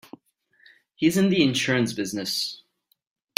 He's in the insurance business.